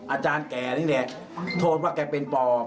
อาจารย์แก่นี่แหละโทษว่าแกเป็นป่อ